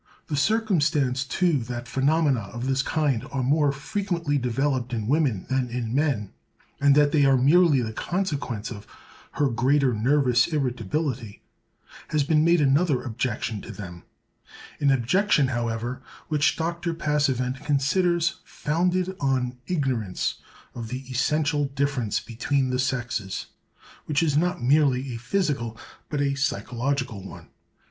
The circumstance, too, that phenomena of this kind are more frequently developed in women than in men, and that they are merely the consequence of her greater nervous irritability, has been made another objection to them—an objection, however, which Dr. Passavent considers founded on ignorance of the essential difference between the sexes, which is not merely a physical but a psychological one.